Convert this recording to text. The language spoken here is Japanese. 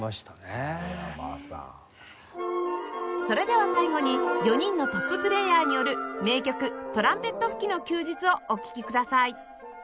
それでは最後に４人のトッププレーヤーによる名曲『トランペット吹きの休日』をお聴きください